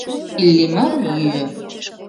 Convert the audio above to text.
Иллимар йӱӧ.